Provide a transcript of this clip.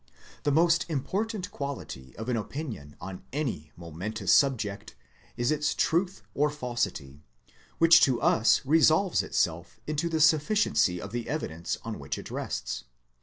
The most important quality of an opinion on any momentous subject is its truth or falsity, which to us resolves itself into the sufficiency of the evidence on which it rests.